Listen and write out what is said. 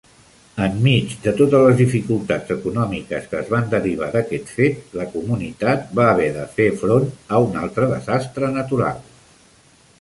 En mig de totes les dificultats econòmiques que es van derivar d'aquest fet, la comunitat va haver de fer front a un altre desastre natural.